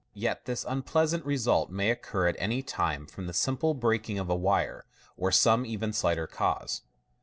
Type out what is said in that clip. Yet this unpleasant result may occur at any time from the simple breaking of a wire, or some even slighter cause.